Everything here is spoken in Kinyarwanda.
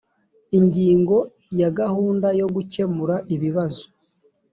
ingingo ya gahunda yo gukemura ibibazo